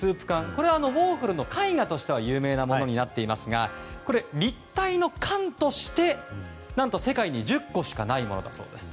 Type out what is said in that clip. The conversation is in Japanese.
これはウォーホルの絵画としては有名なものになっていますが立体の缶として、世界で１０個しかないものだそうです。